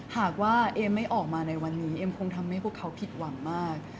หากว่าเอมไม่ออกมาในวันนี้เอมคงทำให้พวกเขาผิดหวังมาก